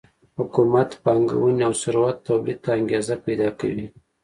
حکومت پانګونې او ثروت تولید ته انګېزه پیدا کوي